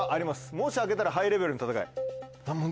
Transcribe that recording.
もし開けたらハイレベルの戦い。